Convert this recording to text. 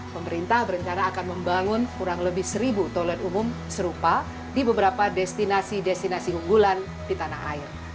pemerintah berencana akan membangun kurang lebih seribu toilet umum serupa di beberapa destinasi destinasi unggulan di tanah air